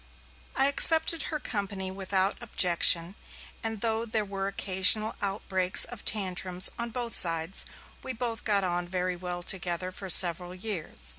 I accepted her company without objection, and though there were occasional outbreaks of tantrums on both sides, we got on very well together for several years.